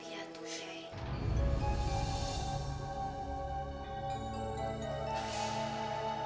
ibunya itu masih hidup